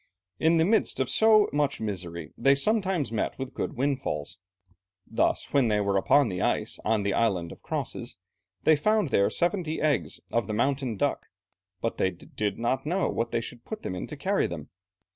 In the midst of so much misery they sometimes met with good windfalls. Thus, when they were upon the ice on the Island of Crosses they found there seventy eggs of the mountain duck. "But they did not know what they should put them in to carry them.